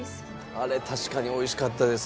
あれ確かに美味しかったです。